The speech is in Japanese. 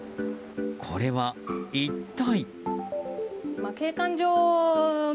これは一体？